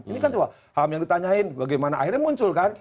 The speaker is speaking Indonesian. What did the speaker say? ini kan cuma ham yang ditanyain bagaimana akhirnya munculkan